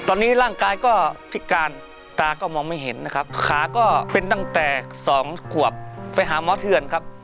ตอนนี้ร่างกายก็พิการตาก็มองไม่เห็นนะครับขาก็เป็นตั้งแต่สองขวบไปหาหมอเถื่อนครับ